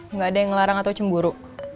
nggak ada yang ngelarang atau cemburu